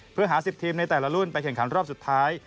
เพื่อหา๑๐ทีมในแต่ละรุ่นไปแข่งขันรอบสุดท้าย